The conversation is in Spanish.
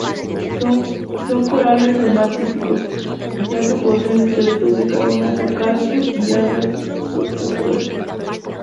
Son corales hermatípicos, ya que poseen esqueletos de carbonato cálcico y algas zooxantelas.